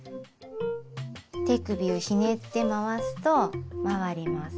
手首をひねって回すと回ります。